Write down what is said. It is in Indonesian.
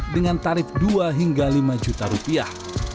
dengan tarif dua hingga lima juta rupiah